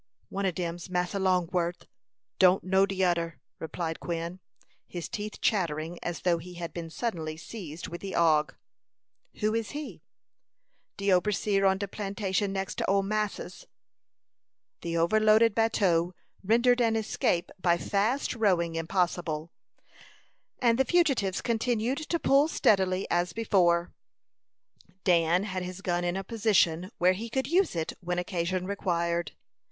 "One of dem's Massa Longworth; don't know de oder," replied Quin, his teeth chattering as though he had been suddenly seized with the ague. "Who is he?" "De oberseer on de plantation next to ole massa's." The overloaded bateau rendered an escape by fast rowing impossible, and the fugitives continued to pull steadily, as before. Dan had his gun in a position where he could use it when occasion required.